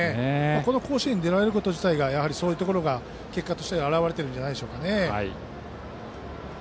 この甲子園に出られること自体がそういうところの結果として表れているんじゃないでしょうか。